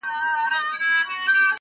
ما دي څڼي تاوولای-